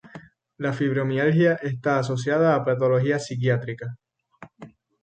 La fibromialgia está asociada a patología psiquiátrica.